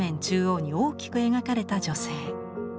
中央に大きく描かれた女性。